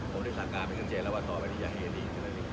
ผมได้สร้างการไปจึงเจอย่างอะว่าต่อไปอันนี้จะให้ที